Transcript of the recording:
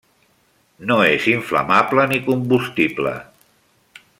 No és inflamable ni combustible.